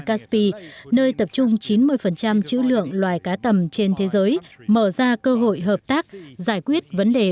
caspi nơi tập trung chín mươi chữ lượng loài cá tầm trên thế giới mở ra cơ hội hợp tác giải quyết vấn đề